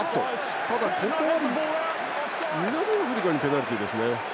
ただ、ここは南アフリカにペナルティーですね。